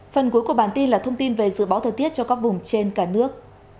phần cuối của bản tin là thông tin về dự báo thời tiết cho các vùng trên cả nước